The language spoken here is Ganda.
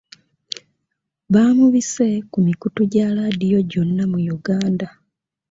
Baamubise ku mikutu gya laadiyo gyonna mu Uganda.